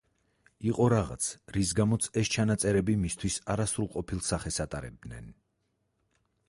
იყო რაღაც, რის გამოც ეს ჩანაწერები მისთვის არასრულყოფილ სახეს ატარებდნენ.